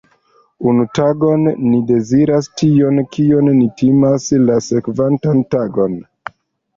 Unu tagon, ni deziras tion, kion ni timas la sekvantan tagon.